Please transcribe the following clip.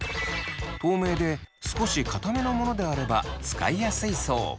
透明で少しかためのものであれば使いやすいそう。